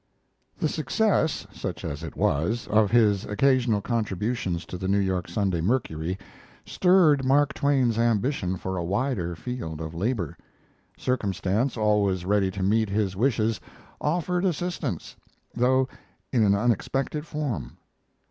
The success such as it was of his occasional contributions to the New York Sunday Mercury stirred Mark Twain's ambition for a wider field of labor. Circumstance, always ready to meet his wishes, offered assistance, though in an unexpected form.